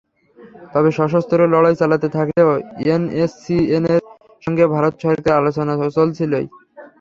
তবে সশস্ত্র লড়াই চালাতে থাকলেও এনএসসিএনের সঙ্গে ভারত সরকারের আলোচনা চলছিলই।